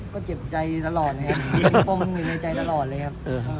ก็เจ็บใจตลอดนะครับมันมีในใจตลอดเลยครับ